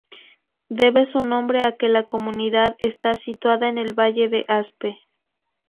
Debe su nombre a que la comunidad está situada en el Valle de Aspe.